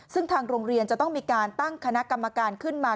ซึ่งทางโรงเรียนจะต้องมีการตั้งคณะกรรมการขึ้นมา